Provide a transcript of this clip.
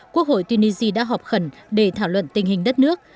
quốc hội tunisia đã họp khẩn để thảo luận tình hình đất nước